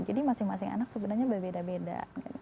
jadi masing masing anak sebenarnya berbeda beda